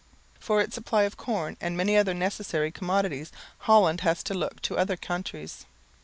For its supply of corn and many other necessary commodities Holland has to look to other countries.